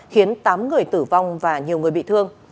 khiến tám người tử vong và nhiều người bị thương